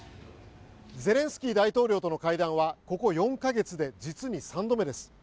ゼレンスキー大統領との会談はここ４か月で実に３度目です。